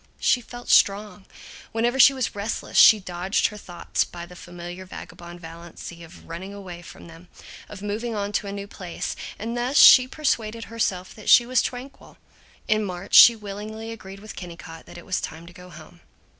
She felt strong. Whenever she was restless she dodged her thoughts by the familiar vagabond fallacy of running away from them, of moving on to a new place, and thus she persuaded herself that she was tranquil. In March she willingly agreed with Kennicott that it was time to go home.